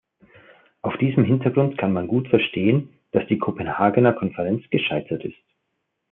Auf diesem Hintergrund kann man gut verstehen, dass die Kopenhagener Konferenz gescheitert ist.